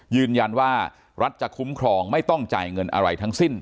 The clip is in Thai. ยืนยันว่ารัฐจะคุ้มครองไม่ต้องจ่ายเงินอะไรทั้งสิ้น